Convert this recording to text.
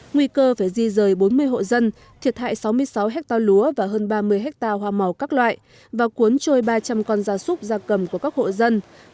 nguy cơ phải di rời bốn mươi hộ dân thiệt hại sáu mươi sáu hectare lúa và hơn ba mươi hectare hoa màu các loại và cuốn trôi ba trăm linh con gia súc gia cầm của các hộ dân